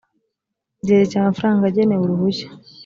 byerekeye amafaranga agenewe uruhushya